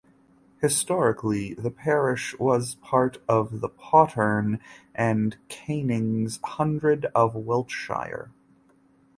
Historically, the parish was part of the Potterne and Cannings hundred of Wiltshire.